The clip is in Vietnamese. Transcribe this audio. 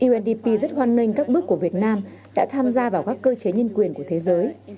undp rất hoan nghênh các bước của việt nam đã tham gia vào các cơ chế nhân quyền của thế giới